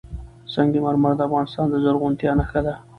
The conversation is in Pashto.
سنگ مرمر د افغانستان د زرغونتیا نښه ده.